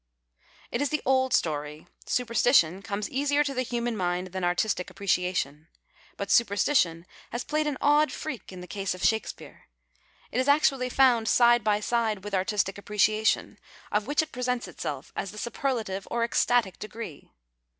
It is the old story. Superstition comes easier to the human mind than artistic appreciation. But superstition has played an odd freak in the case of Shakespeare, It is actually found side by side >vith artistic appreciation, of which it presents itself as the superlative, or ecstatic, degree.